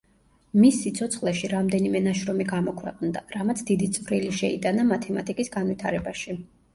მის სიცოცხლეში რამდენიმე ნაშრომი გამოქვეყნდა, რამაც დიდი წვრილი შეიტანა მათემატიკის განვითარებაში.